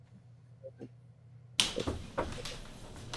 কিন্তু আমি বলতে চাই তাদের পরামর্শ দেওয়ার ক্ষেত্রে আরও দায়িত্বশীল হতে হবে।